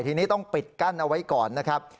ทีนี้ต้องปิดกั้นเอาไว้ก่อนนะครับ